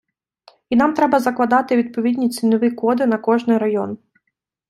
І нам треба закладати відповідні цінові коди на кожний район.